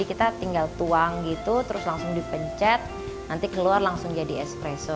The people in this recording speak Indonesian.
kita tinggal tuang gitu terus langsung dipencet nanti keluar langsung jadi espresso